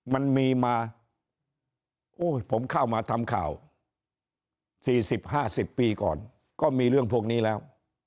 มันมีมาผมเข้ามาทำข่าว๔๐๕๐ปีก่อนก็มีเรื่องพวกนี้แล้ว